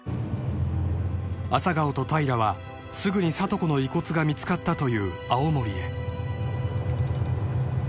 ［朝顔と平はすぐに里子の遺骨が見つかったという青森へ］